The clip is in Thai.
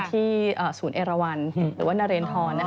ที่ศูนย์เอราวันหรือว่านเรนทร